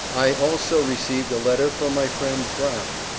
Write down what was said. I also Rec'd. a letter from my friend Brown.